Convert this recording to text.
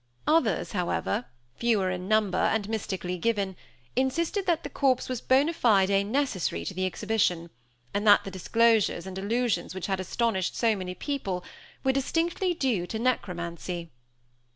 Others, again, fewer in number, and mystically given, insisted that the corpse was bona fide necessary to the exhibition, and that the disclosures and allusions which had astonished so many people were distinctly due to necromancy.